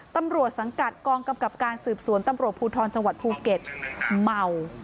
ตำรวจสังกัดกองกำกับการสืบสวนตำรวจภูทรจังหวัดภูเก็ตเมา